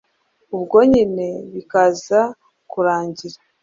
ubwo nyine bikaza kurangira